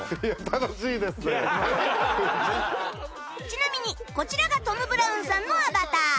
ちなみにこちらがトム・ブラウンさんのアバター